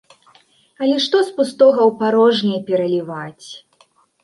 Але што з пустога ў парожняе пераліваць!